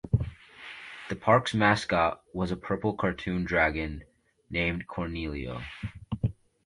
The park's mascot was a purple cartoon dragon named Cornelio.